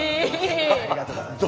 ありがとうございます。